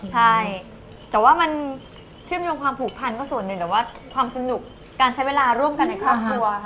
ใช่แต่ว่ามันเชื่อมโยงความผูกพันก็ส่วนหนึ่งแต่ว่าความสนุกการใช้เวลาร่วมกันในครอบครัวค่ะ